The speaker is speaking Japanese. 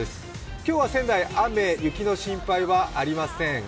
今日は仙台雨、雪の心配はありません。